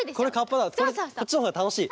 こっちのほうがたのしい！